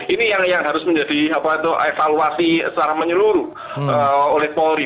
ini yang harus menjadi evaluasi secara menyeluruh oleh polri